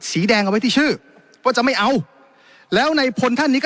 สีแดงเอาไว้ที่ชื่อว่าจะไม่เอาแล้วในพลท่านนี้ก็